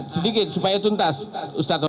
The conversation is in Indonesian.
sedikit supaya tuntas ustaz